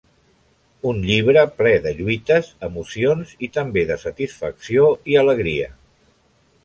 Un llibre ple de lluites, emocions i també de satisfacció i alegria.